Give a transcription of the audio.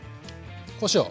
こしょう。